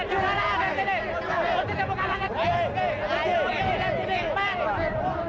jangan buka karang lagi